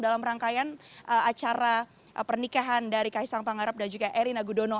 dalam rangkaian acara pernikahan dari kaisang pangarap dan juga erina gudono